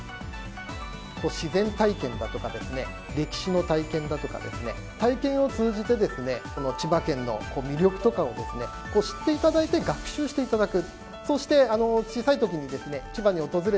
自然体験だとか、歴史の体験だとか、体験を通じてこの千葉県の魅力とかを知っていただいて、学習していただく。